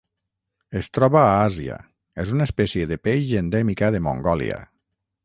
Es troba a Àsia: és una espècie de peix endèmica de Mongòlia.